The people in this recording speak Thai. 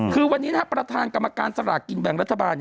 คือวันนี้ประธานกรรมการสลากกินแบ่งรัฐบาล